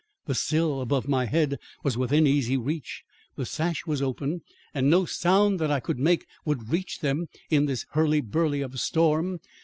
The sill above my head was within easy reach, the sash was open and no sound that I could make would reach them in this hurly burly of storm.